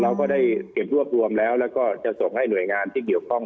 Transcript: เราก็ได้เก็บรวบรวมแล้วแล้วก็จะส่งให้หน่วยงานที่เกี่ยวข้อง